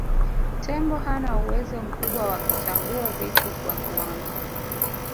Tembo hana uwezo mkubwa wa kutambua vitu kwa kuona